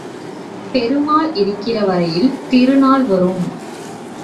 பெருமாள் இருக்கிற வரையில் திருநாள் வரும்.